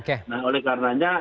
nah oleh karenanya